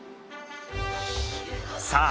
さあ！